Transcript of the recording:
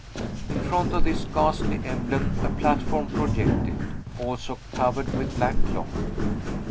In front of this ghastly emblem a platform projected, also covered with black cloth.